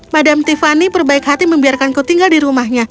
madam tiffany perbaik hati membiarkanku tinggal di rumahnya